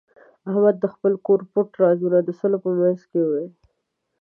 احمد د خپل کور پټ رازونه د سلو په منځ کې وویل.